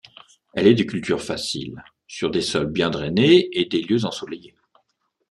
Elle est de culture facile, sur des sols bien drainés et des lieux ensoleillés.